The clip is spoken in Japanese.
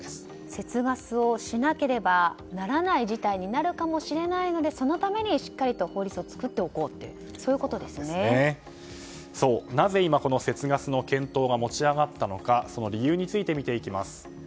節ガスをしなければならない事態になるかもしれないのでそのためにしっかりと法律を作っておこうとなぜ今、節ガスの検討が持ち上がったのかその理由について見ていきます。